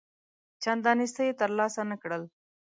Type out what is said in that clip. چنداني څه یې تر لاسه نه کړل.